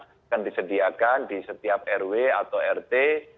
akan disediakan di setiap rw atau rt